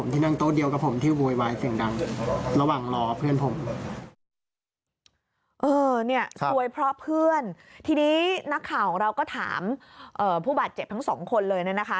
ทีนี้นักข่าวของเราก็ถามผู้บาดเจ็บทั้งสองคนเลยนะคะ